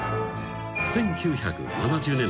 ［１９７０年代。